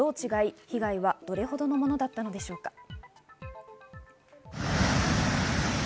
被害はどれほどのものだったのでしょうか？